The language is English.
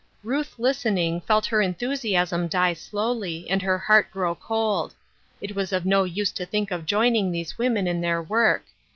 Ruth, listening, felt her enthusiasm die slowly, and her heart grew cold ; it was of no use to think of joining these women in their work.